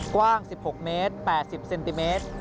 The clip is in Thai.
กว้าง๑๖เมตร๘๐เซนติเมตร